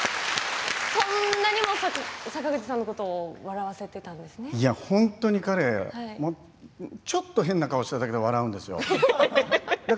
こんなにも坂口さんのことを本当に彼、ちょっと変な顔をしただけで笑うんですよ。